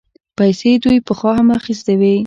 پيسې دوی پخوا هم اخيستې وې.